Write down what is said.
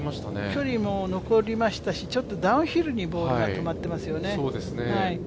距離も残りましたし、ちょっとダウンヒルにボールが止まってますよね。